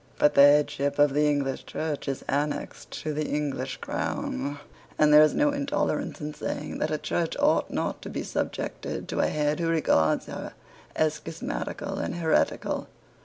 But the headship of the English Church is annexed to the English crown; and there is no intolerance in saying that a Church ought not to be subjected to a head who regards her as schismatical and heretical.